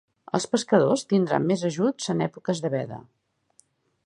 Els pescadors tindran més ajuts en èpoques de veda.